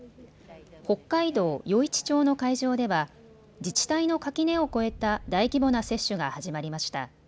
北海道余市町の会場では、自治体の垣根を越えた大規模な接種が始まりました。